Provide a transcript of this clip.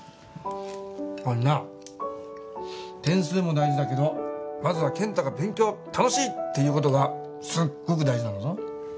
あのな点数も大事だけどまずは健太が勉強楽しいっていうことがすっごく大事なんだぞ。